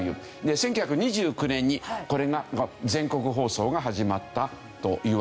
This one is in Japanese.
１９２９年にこれが全国放送が始まったというわけなんですよね。